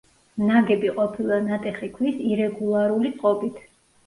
ნაგები ყოფილა ნატეხი ქვის ირეგულარული წყობით.